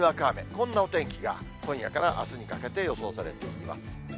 こんなお天気が今夜からあすにかけて予想されています。